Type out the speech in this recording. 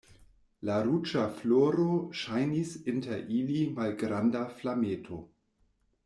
La ruĝa floro ŝajnis inter ili malgranda flameto.